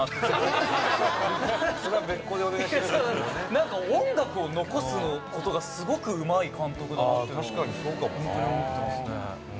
なんか、音楽を残す事がすごくうまい監督だなと本当に思ってますね。